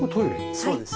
そうです。